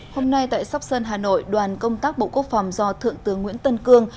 hôm nay tại sóc sơn hà nội đoàn công tác bộ quốc phòng do thượng tướng nguyễn tân cương